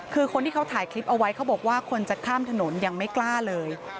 คือคนที่เขาถ่ายคลิปเอาไว้เขาบอกว่าคนจะข้ามถนนยังไม่กล้าเลย